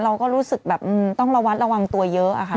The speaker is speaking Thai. เราก็รู้สึกแบบต้องระวัดระวังตัวเยอะอะค่ะ